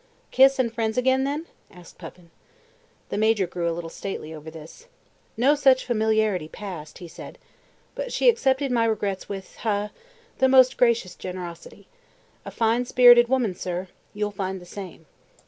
"Kiss and friends again, then?" asked Puffin. The Major grew a little stately over this. "No such familiarity passed," he said. "But she accepted my regrets with ha the most gracious generosity. A fine spirited woman, sir; you'll find the same."